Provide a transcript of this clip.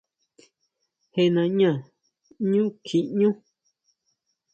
¿Jé nañá ʼñú kjiñú?